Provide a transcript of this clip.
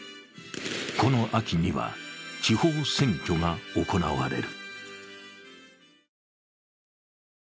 この秋には地方選挙が行われる。